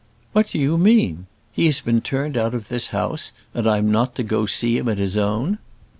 "What do you mean? He has been turned out of this house, and I'm not to go to see him at his own."